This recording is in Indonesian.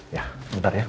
ya sebentar ya